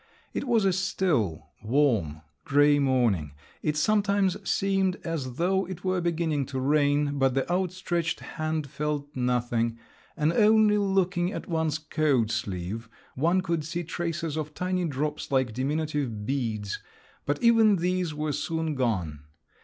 It was a still, warm, grey morning. It sometimes seemed as though it were beginning to rain; but the outstretched hand felt nothing, and only looking at one's coat sleeve, one could see traces of tiny drops like diminutive beads, but even these were soon gone.